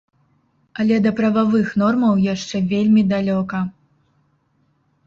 Але да прававых нормаў яшчэ вельмі далёка.